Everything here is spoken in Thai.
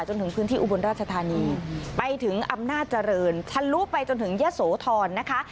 จนถึงพื้นที่อุบลราชธานีไปถึงอำนาจเจริญทะลุไปจนถึงยะโสธรนะคะ